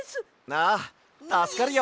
ああたすかるよ。